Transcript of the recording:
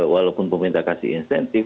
walaupun pemerintah kasih insentif